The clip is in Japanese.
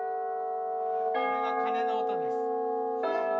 これが鐘の音です。